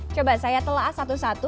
coba saya telah satu satu